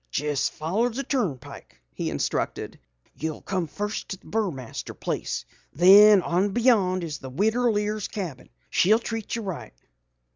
"Jes' follow the turnpike," he instructed. "You'll come fust to the Burmaster place. Then on beyond is the Widder Lear's cabin. She'll treat you right."